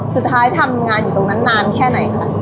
สุดท้ายทำงานอยู่ตรงนั้นนานแค่ไหนคะ